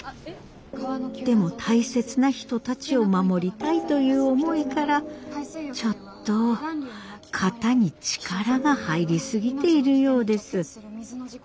でも大切な人たちを守りたいという思いからちょっと肩に力が入り過ぎているようです。